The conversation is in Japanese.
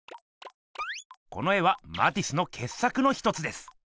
この絵はマティスのけっさくの一つです！